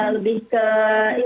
lebih ke ini sih ya mungkin